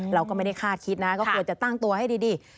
เราก็ไม่ได้คาดคิดนะก็ควรจะตั้งตัวให้ดี